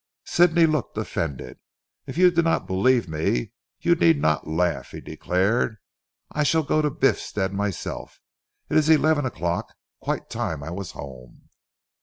Sidney looked offended. "If you do not believe me, you need not laugh," he declared. "I shall go to Biffstead myself. It is eleven o'clock. Quite time I was home."